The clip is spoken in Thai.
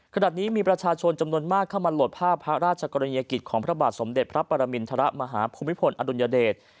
ขณะนี้มีประชาชนจำนวนมากเข้ามาโหลดภาพพระราชกรณียกิจของพระบาทสมเด็จพระปรมินทรมาฮภูมิพลอดุลยเดช